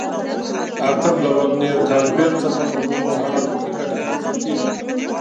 اتم: له ورنیر کالیپر څخه په کومو حالاتو کې ګټه اخیستل کېږي؟